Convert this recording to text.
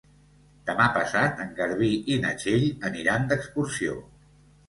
Demà passat en Garbí i na Txell aniran d'excursió.